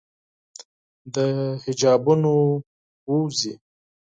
د حجابونو ووزي